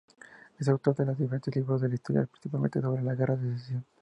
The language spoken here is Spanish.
Es autor de diferentes libros de historia, principalmente sobre la Guerra de Secesión.